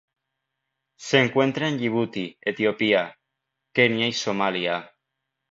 Se encuentra en Yibuti Etiopía, Kenia y Somalia.